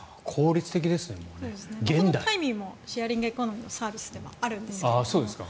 このタイミーもシェアリングエコノミーのサービスでもあるんですけど